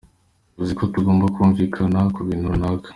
Bivuze ko tugomba kumvikana ku bintu runaka.”